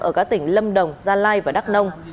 ở các tỉnh lâm đồng gia lai và đắk nông